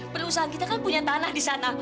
perusahaan kita kan punya tanah di sana